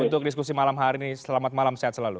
untuk diskusi malam hari ini selamat malam sehat selalu